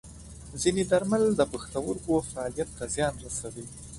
ځینې درمل د پښتورګو فعالیت ته زیان رسوي.